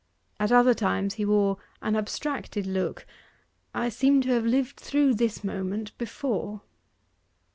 At other times he wore an abstracted look: 'I seem to have lived through this moment before.